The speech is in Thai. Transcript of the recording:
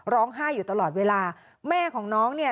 ร้องไห้อยู่ตลอดเวลาแม่ของน้องเนี่ย